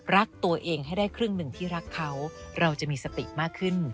รักตัวเองให้ได้ครึ่งหนึ่งที่รักเขาเราจะมีสติมากขึ้น